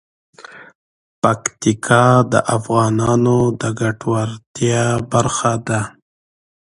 پکتیکا د افغانانو د ګټورتیا برخه ده.